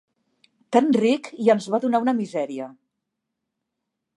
Tan ric i ens va donar una misèria!